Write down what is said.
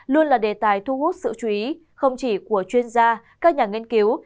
luôn là đề tài thu hút sự chú ý không chỉ của chuyên gia các nhà nghiên cứu